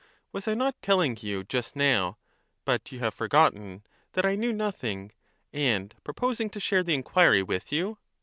Was I not telling you just now (but you have forgotten), that I knew nothing, and proposing to share the enquiry with you?